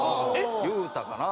言うたかな？